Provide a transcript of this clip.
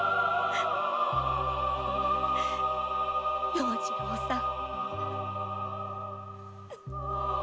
要次郎さん！